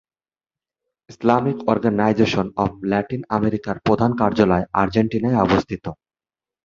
Islamic Organization of Latin আমেরিকার প্রধান কার্যালয় আর্জেন্টিনায় অবস্থিত।